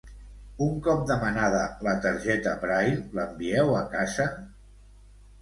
Un cop demanada la targeta Braille, l'envieu a casa?